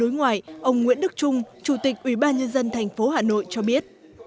tối ngoài ông nguyễn đức trung chủ tịch ubnd tp hà nội cho biết